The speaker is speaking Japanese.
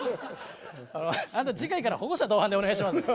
「あなた次回から保護者同伴でお願いします。